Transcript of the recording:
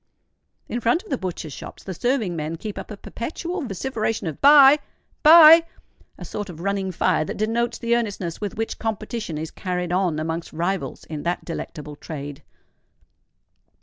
In front of the butchers' shops the serving men keep up a perpetual vociferation of "Buy! buy!"—a sort of running fire that denotes the earnestness with which competition is carried on amongst rivals in that delectable trade.